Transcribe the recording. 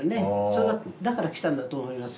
だから来たんだと思います。